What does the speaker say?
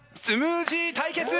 スムージー対決！